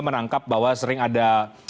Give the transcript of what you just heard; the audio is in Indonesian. menangkap bahwa sering ada